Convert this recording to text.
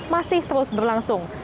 masih terus berlangsung